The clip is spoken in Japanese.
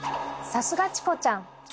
さすがチコちゃん。